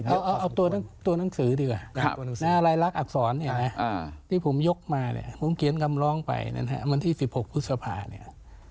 เอาตัวหนังสือดีกว่าลายลักษณ์อักษรเนี่ยนะที่ผมยกมาเนี่ยผมเขียนคำร้องไปนะฮะวันที่๑๖พฤษภาเนี่ย